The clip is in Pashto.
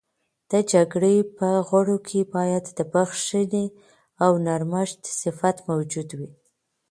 د جرګې په غړو کي باید د بخښنې او نرمښت صفت موجود وي.